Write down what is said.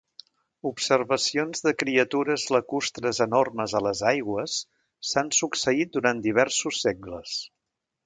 Observacions de criatures lacustres enormes a les aigües s'han succeït durant diversos segles.